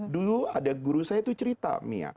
dulu ada guru saya itu cerita mia